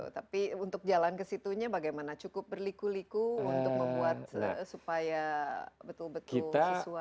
tapi untuk jalan ke situnya bagaimana cukup berliku liku untuk membuat supaya betul betul siswa